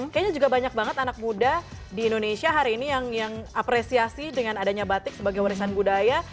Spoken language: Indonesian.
kayaknya juga banyak banget anak muda di indonesia hari ini yang apresiasi dengan adanya batik sebagai warisan budaya